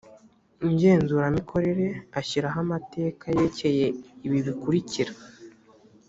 ngenzuramikorere ashyiraho amateka yerekeye ibi bikurikira